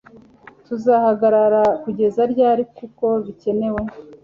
Tuzahagarara kugeza ryari kuko bikenewe